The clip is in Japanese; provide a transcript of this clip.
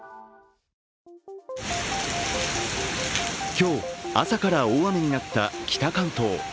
今日、朝から大雨になった北関東。